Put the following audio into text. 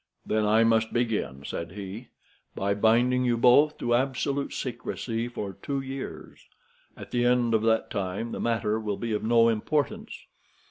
"Then I must begin," said he, "by binding you both to absolute secrecy for two years; at the end of that time the matter will be of no importance.